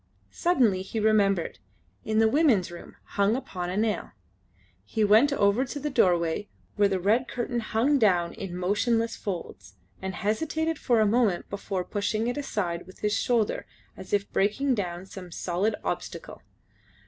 Suddenly he remembered: in the women's room hung upon a nail. He went over to the doorway where the red curtain hung down in motionless folds, and hesitated for a moment before pushing it aside with his shoulder as if breaking down some solid obstacle.